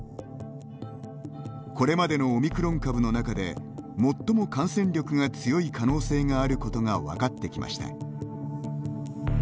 これまでのオミクロン株の中で最も感染力が強い可能性があることが分かってきました。